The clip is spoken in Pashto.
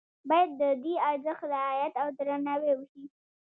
باید د دې ارزښت رعایت او درناوی وشي.